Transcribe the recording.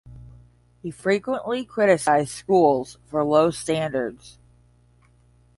He frequently criticized schools for low standards.